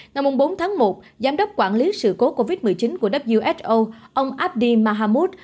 ngày bốn tháng một giám đốc quản lý sự cố covid một mươi chín của who ông abdi mahmoud